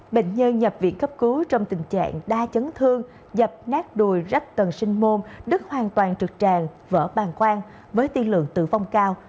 bệnh nhân nhập viện cấp cứu trong tình trạng đa chấn thương dập nát đùi rách tần sinh môn đứt hoàn toàn trực tràng vỡ bàn quan với tiên lượng tử vong cao